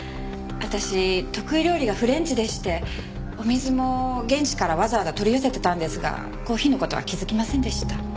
私得意料理がフレンチでしてお水も現地からわざわざ取り寄せてたんですがコーヒーの事は気づきませんでした。